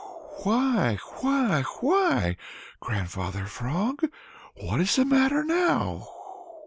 "Why why why, Grandfather Frog, what is the matter now?"